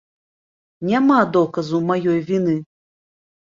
Няма доказу маёй віны.